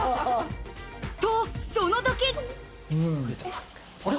と、その時。